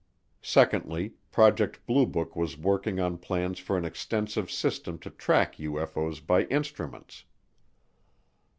Secondly, Project Blue Book was working on plans for an extensive system to track UFO's by instruments.